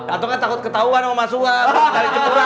atau kan takut ketahuan sama mas suha